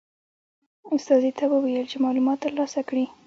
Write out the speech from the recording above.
استازي ته وویل چې معلومات ترلاسه کړي.